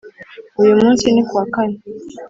uyu munsi ni kuwakane,